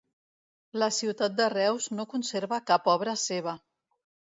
La ciutat de Reus no conserva cap obra seva.